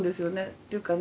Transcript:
っていうかね